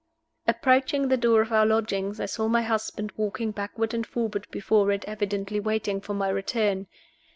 Approaching the door of our lodgings, I saw my husband walking backward and forward before it, evidently waiting for my return.